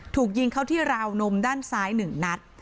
ถูกยิงเข้าที่ราวนมด้านซ้าย๑นัด